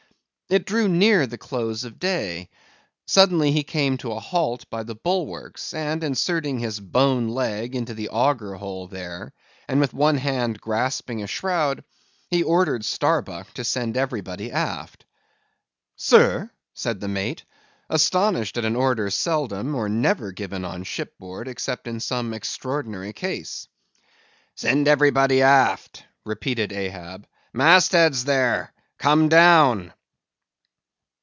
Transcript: It drew near the close of day. Suddenly he came to a halt by the bulwarks, and inserting his bone leg into the auger hole there, and with one hand grasping a shroud, he ordered Starbuck to send everybody aft. "Sir!" said the mate, astonished at an order seldom or never given on ship board except in some extraordinary case. "Send everybody aft," repeated Ahab. "Mast heads, there! come down!"